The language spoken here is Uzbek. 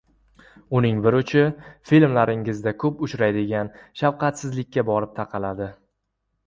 Uning bir uchi filmlaringizda ko‘p uchraydigan shafqatsizlikka borib taqaladi.